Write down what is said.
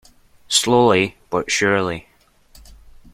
Slowly but surely.